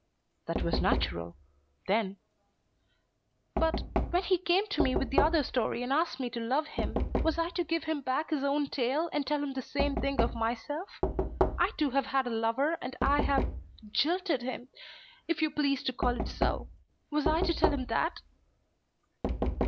"That was natural, then." "But, when he came to me with the other story and asked me to love him, was I to give him back his own tale and tell him the same thing of myself? I too have had a lover, and I have jilted him, if you please to call it so. Was I to tell him that?"